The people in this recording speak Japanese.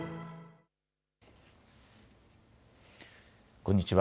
こんにちは。